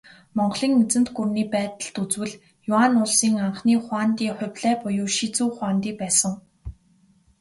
Монголын эзэнт гүрний байдалд үзвэл, Юань улсын анхны хуанди Хубилай буюу Шизү хуанди байсан.